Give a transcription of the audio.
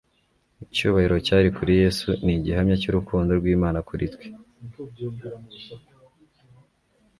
Icyubahiro cyari kuri Yesu ni igihamya cy'urukundo rw'Imana kuri twe.